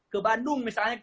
ke bandung misalnya